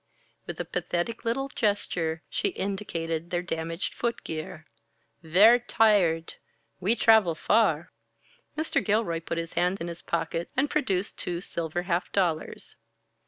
With a pathetic little gesture, she indicated their damaged foot gear. "Ver' tired. We travel far." Mr. Gilroy put his hand in his pocket and produced two silver half dollars.